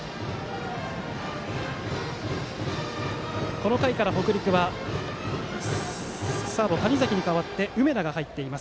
この回から北陸はサード、谷嵜に代わって梅田が入っています。